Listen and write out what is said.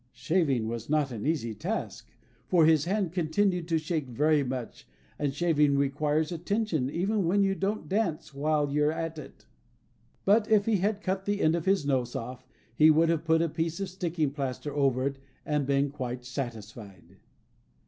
Shaving was not an easy task, for his hand continued to shake very much; and shaving requires attention, even when you don't dance while you are at it. But, if he had cut the end of his nose off, he would have put a piece of sticking plaster over it, and been quite satisfied.